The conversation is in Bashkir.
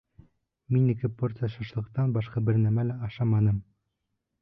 Мин ике порция шашлыктан башҡа бер нәмә лә ашаманым!